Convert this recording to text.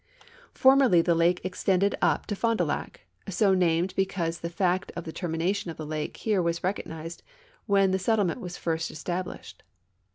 Formerl}^ the lake extended up to Fond du Lac, so named because the fact of the termination of the lake here was recognized when the settlement was first established.